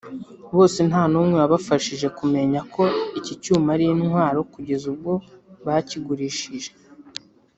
bose nta n’umwe wabashije kumenya ko iki cyuma ari intwaro kugeza ubwo bakigurishije